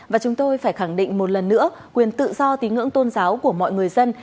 và chúng tôi phải khẳng định một lần nữa quyền tự do tín ngưỡng tôn giáo của mọi người dân